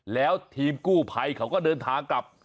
แล้วทีมกู้ภัยเขาก็เดินทางกลับ